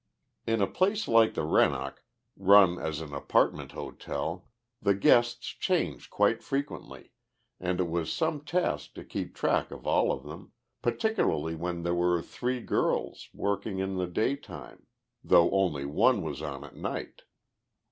In a place like the Rennoc, run as an apartment hotel, the guests change quite frequently, and it was some task to keep track of all of them, particularly when there were three girls working in the daytime, though only one was on at night.